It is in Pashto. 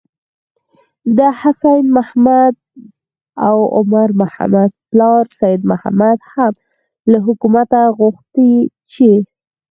د حسين محمد او عمر محمد پلار سيد محمد هم له حکومته غوښتي چې: